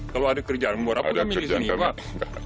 kalau ada kerjaan murah pun kami di sini